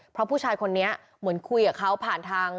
เพราะผู้ชายคนนี้เหมือนคุยกับเขาผ่านทาง